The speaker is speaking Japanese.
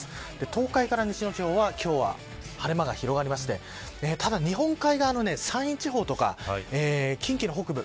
東海から西の地方は今日は、晴れ間が広がりましてただ、日本海側の山陰地方とか近畿の北部